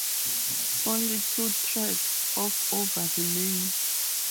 Only two tracts of over remain.